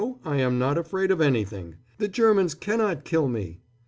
I am not afraid of anything. The Germans cannot kill me!"